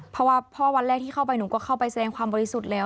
เพราะว่าพ่อวันแรกที่เข้าไปหนูก็เข้าไปแสดงความบริสุทธิ์แล้ว